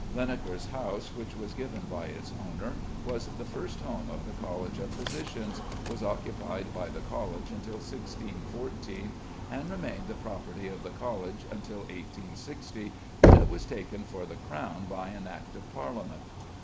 Linacre's house, which was given by its owner, was the first home of the College of Physicians, was occupied by the College until 1614, and remained the property of the College until 1860, when it was taken for the Crown by an Act of Parliament.